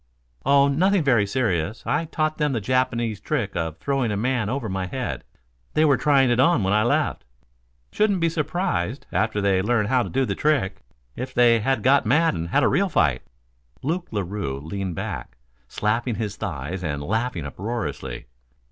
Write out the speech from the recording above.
"Oh, nothing very serious. I taught them the Japanese trick of throwing a man over my head. They were trying it on when I left. Shouldn't be surprised, after they learn how to do the trick, if they got mad and had a real fight." Luke Larue leaned back, slapping his thighs and laughing uproariously.